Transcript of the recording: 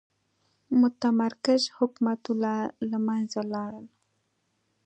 متمرکز حکومتونه له منځه لاړل.